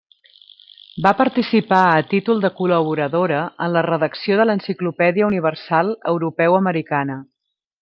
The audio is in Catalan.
Va participar a títol de col·laboradora en la redacció de l'Enciclopèdia Universal Europeu Americana.